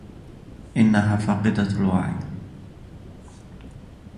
إنّها فاقدة الوعي.